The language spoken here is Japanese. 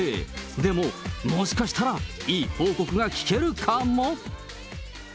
でも、もしかしたらいい報告が聞けるかも。